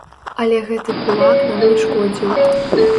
Але гэты кулак нам не шкодзіў.